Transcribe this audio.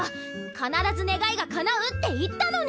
必ず願いがかなうって言ったのに！